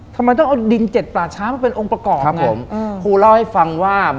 ทำไมต้องเอาดิงเจ็ดปลาช้ามาเป็นองค์ประกอบ